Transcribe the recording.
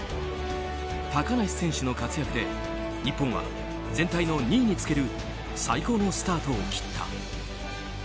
高梨選手の活躍で日本は全体の２位につける最高のスタートを切った。